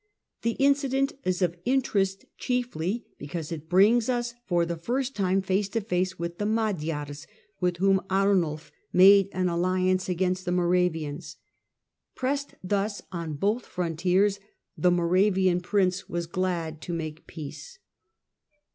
The incident is of interest chiefly because it brings us for the first time face to face with the Magyars, with whom Arnulf made an alliance against the Moravians. Pressed thus on both frontiers, the Moravian prince was glad to make peace.